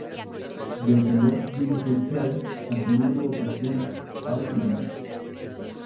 Desde lo dirigencial, asumió un nuevo presidente, Pablo Mamet.